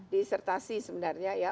di risertasi sebenarnya ya